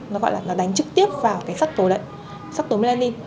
nó gọi là nó đánh trực tiếp vào cái sắc tố đấy sắc tố melanin